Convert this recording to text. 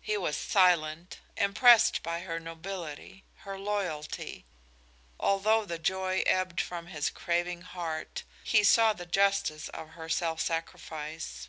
He was silent, impressed by her nobility, her loyalty. Although the joy ebbed from his craving heart, he saw the justice of her self sacrifice.